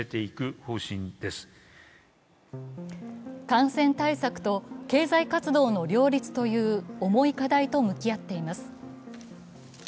感染対策と経済活動の両立という重い課題と向き合っています。